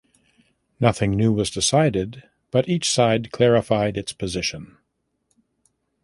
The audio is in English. Nothing new was decided but each side clarified its position.